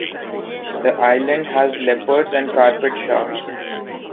The island has leopard and carpet sharks.